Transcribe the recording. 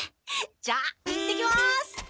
じゃあ行ってきます！